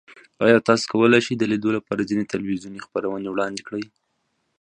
ایا تاسو کولی شئ د لیدو لپاره ځینې تلویزیوني خپرونې وړاندیز کړئ؟